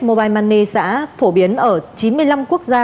mobile money xã phổ biến ở chín mươi năm quốc gia